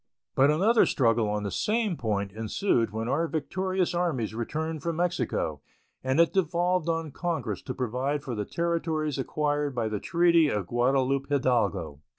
But another struggle on the same point ensued when our victorious armies returned from Mexico and it devolved on Congress to provide for the territories acquired by the treaty of Guadalupe Hidalgo.